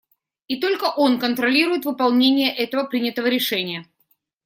И только он контролирует выполнение этого принятого решения.